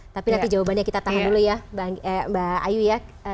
tapi nanti jawabannya kita tahan dulu ya mbak ayu ya